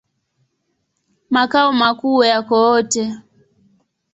Makao makuu yako Wote.